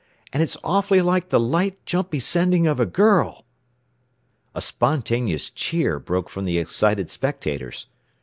"And it's awfully like the light, jumpy sending of a girl!" A spontaneous cheer broke from the excited spectators.